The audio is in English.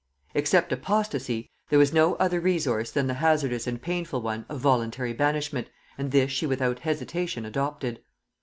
Except apostasy, there was no other resource than the hazardous and painful one of voluntary banishment, and this she without hesitation adopted.